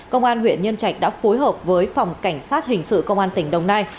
công an huyện nhân trạch đã phối hợp với phòng cảnh sát hình sự công an tỉnh đồng nai